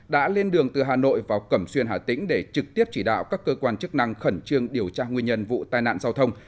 đã lên đường từ hà nội vào cẩm xuyên hà tĩnh để trực tiếp chỉ đạo các cơ quan chức năng khẩn trương điều tra nguyên nhân vụ tai nạn giao thông